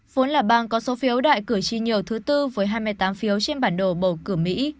vốn là bang có số phiếu đại cử tri nhiều thứ tư với hai mươi tám phiếu trên bản đồ bầu cử mỹ